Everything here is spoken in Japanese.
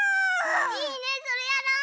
いいねそれやろう！